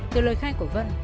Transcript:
từ lời khai của vân